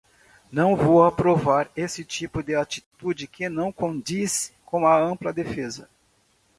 Não vou aprovar esse tipo de atitude que não condiz com a ampla defesa